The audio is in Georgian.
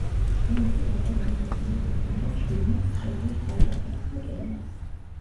ყველაზე დაბალი მონაცემები ჰქონდა ჩინეთს, პერუს, ყაზახეთს და კენიას.